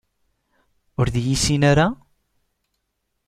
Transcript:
Ur d-iyi-yessin ara?